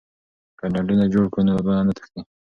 که ډنډونه جوړ کړو نو اوبه نه تښتي.